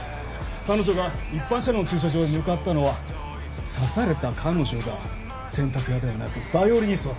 彼女が一般車の駐車場へ向かったのは刺された彼女が洗濯屋ではなくバイオリニストだったからだ。